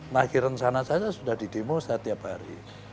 lagi rencana saja sudah didemonstrasi setiap hari